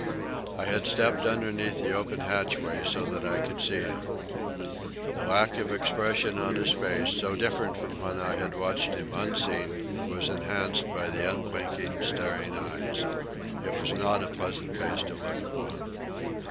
I had stepped underneath the open hatchway so that I could see him. The lack of expression on his face, so different from when I had watched him unseen, was enhanced by the unblinking, staring eyes. It was not a pleasant face to look upon.